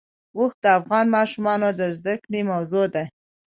اوښ د افغان ماشومانو د زده کړې موضوع ده.